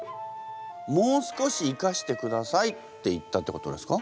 「もう少し生かしてください」って言ったってことですか？